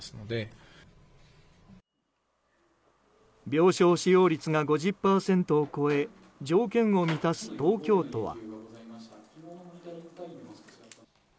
病床使用率が５０％を超え条件を満たす東京都は。